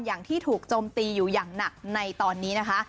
อย่างที่ถูกโจมตีอยู่อย่างหนักในตอนนี้นะคะ